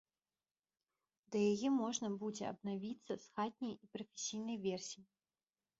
Да яе можна будзе абнавіцца з хатняй і прафесійнай версій.